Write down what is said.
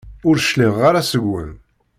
Ur cliɛeɣ ara seg-wen.